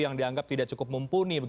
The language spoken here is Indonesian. yang dianggap tidak cukup mumpuni